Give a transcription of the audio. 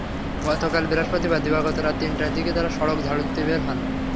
গতকাল বৃহস্পতিবার দিবাগত রাত তিনটার দিকে তাঁরা সড়ক ঝাড়ু দিতে বের হন।